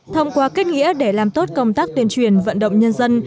thông qua kết nghĩa để làm tốt công tác tuyên truyền vận động nhân dân